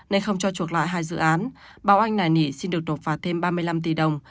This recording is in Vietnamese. nên không cho chuộc lại hai dự án bảo oanh nài nỉ xin được đột phạt thêm ba mươi năm tỷ đồng